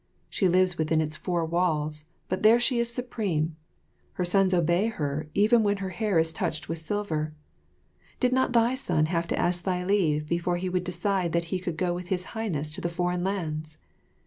She lives within its four walls, but there she is supreme. Her sons obey her even when their hair is touched with silver. Did not thy son have to ask thy leave before he would decide that he could go with His Highness to the foreign lands?